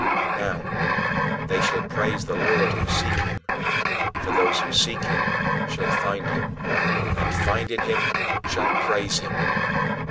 " Now, "they shall praise the Lord who seek him," for "those who seek shall find him," and, finding him, shall praise him.